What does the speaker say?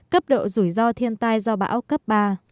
cấp độ rủi ro thiên tai do bão cấp ba